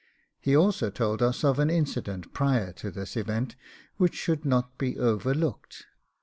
He also told us of an incident prior to this event which should not be overlooked.